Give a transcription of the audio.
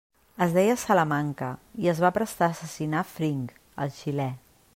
Es deia Salamanca i es va prestar a assassinar Fring, el xilè.